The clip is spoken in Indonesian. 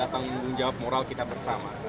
ada yang datang untuk menjawab moral kita bersama